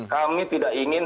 kami tidak ingin